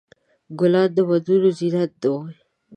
ګلان د ودونو زینت وي.